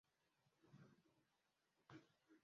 Akawuka akalumira ku lubimbi kalumya.